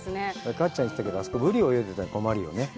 かっちゃん言ってたけどブリが泳いでたら困るよね。